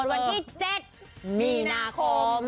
วันที่๗มีนาคม